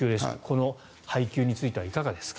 この配球についてはいかがですか。